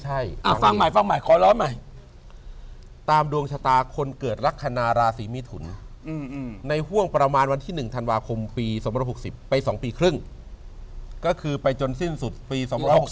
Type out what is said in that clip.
หลังจาก๒๖๒๒๖๓หมายถึงเริ่มจากปีนี้